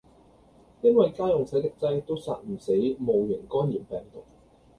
因為家用洗滌劑都殺唔死戊型肝炎病毒